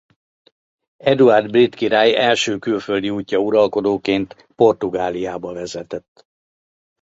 Eduárd brit király első külföldi útja uralkodóként Portugáliába vezetett.